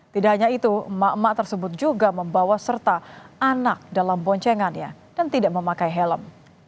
tidak hanya itu emak emak tersebut juga membawa serta anak dalam boncengannya dan tidak memakai helm